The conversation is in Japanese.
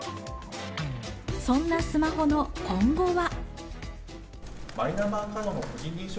そんなスマホの今後は。